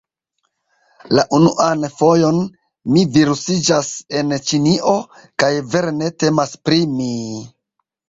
La unuan fojon - mi virusiĝas en Ĉinio, kaj, vere ne temas pri mi...